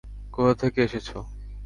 কোথা থেকে এসেছো?